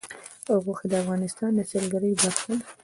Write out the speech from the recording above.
غوښې د افغانستان د سیلګرۍ برخه ده.